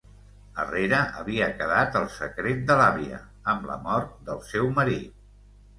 Arrere havia quedat el secret de l’àvia, amb la mort del seu marit.